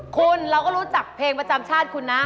คุณเราก็รู้จักเพลงประจำชาติคุณนะ